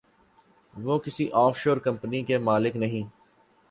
وہ کسی offshore company کے مالک نہیں۔